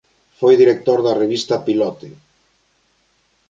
Foi director da revista "Pilote".